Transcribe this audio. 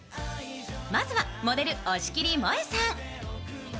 まずは、モデル・押切もえさん。